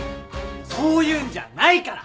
そういうんじゃないから！